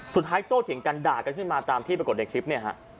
โตเถียงกันด่ากันขึ้นมาตามที่ปรากฏในคลิปเนี่ยฮะ